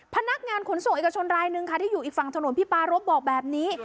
พนักงานขนส่งเอกชนรายนึงค่ะที่อยู่อีกฝั่งถนนพี่ปารพบอกแบบนี้